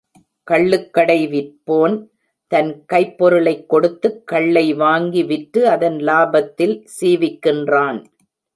கள்ளுக்கடை விற்போன் தன் கைப்பொருளைக் கொடுத்துக் கள்ளை வாங்கி விற்று அதன் லாபத்தால் சீவிக்கின்றான்.